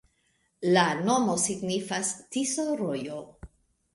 La nomo signifas: Tiso-rojo.